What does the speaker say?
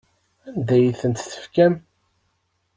Anda ay tent-tefkam?